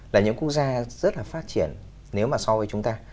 là những quốc gia rất là phát triển nếu mà so với chúng ta